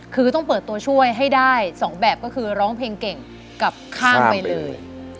คือต้องเปิดตัวช่วยให้ได้๒แบบก็คือร้องเพลงเก่งกลับข้างไปเลย